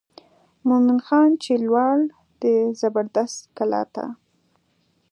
مومن خان چې ولاړ د زبردست کلا ته.